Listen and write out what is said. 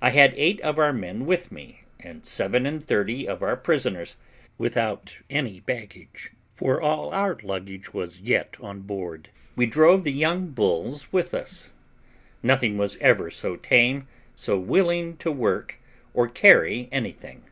I had eight of our men with me, and seven and thirty of our prisoners, without any baggage, for all our luggage was yet on board. We drove the young bulls with us; nothing was ever so tame, so willing to work, or carry anything.